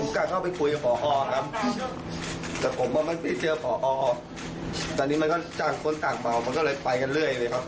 ก็จ้างคนต่างเบามันก็เลยไปกันเรื่อยเลยครับ